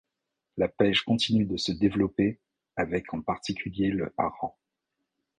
La pêche continue de se développer, avec en particulier le hareng.